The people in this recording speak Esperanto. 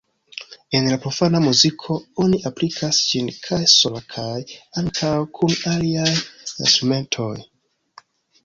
En la profana muziko oni aplikas ĝin kaj sola kaj ankaŭ kun aliaj instrumentoj.